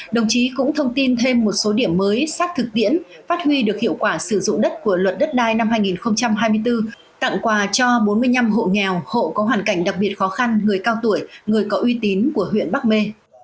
đồng chí cũng thông tin thêm một số điểm mới sát thực tiễn phát huy được hiệu quả sử dụng đất của luật đất đai năm hai nghìn hai mươi bốn tặng quà cho bốn mươi năm hộ nghèo hộ có hoàn cảnh đặc biệt khó khăn người cao tuổi người có uy tín của huyện bắc mê